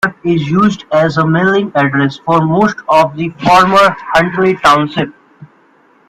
Carp is used as a mailing address for most of the former Huntley Township.